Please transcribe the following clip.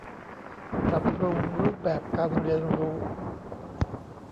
ปรับปรุงรูปแบบการเรียนรู้